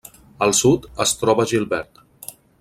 Al sud es troba Gilbert.